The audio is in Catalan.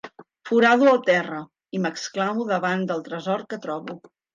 Forado el terra i m'exclamo davant del tresor que trobo.